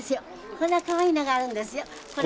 こんなかわいいのがあるんですよ。